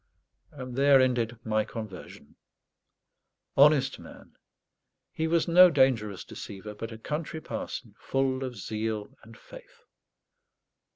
And there ended my conversion. Honest man! he was no dangerous deceiver; but a country parson, full of zeal and faith.